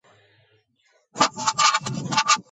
მკურნალი მწყემსის ამბავი სწრაფად გავრცელდა.